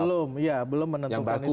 belum ya belum menentukan itu